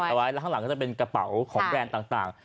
เอาไว้แล้วข้างหลังก็จะเป็นกระเป๋าของแบรนด์ต่าง